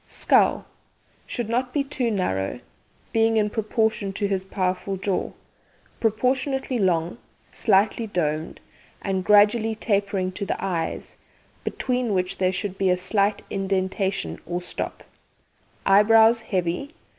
SKULL Should not be too narrow, being in proportion to his powerful jaw, proportionately long, slightly domed, and gradually tapering to the eyes, between which there should be a slight indentation or stop. Eyebrows heavy.